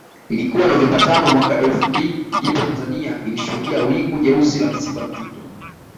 Ilikuwa Novemba tano mwaka elfu mbili ndipo Tanzania ilishuhudia wingu jeusi la msiba mzito